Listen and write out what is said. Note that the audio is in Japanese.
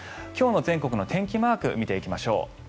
今日の全国の天気マーク見ていきましょう。